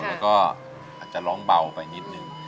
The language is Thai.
แล้วก็อาจจะร้องเบาไปนิดนึง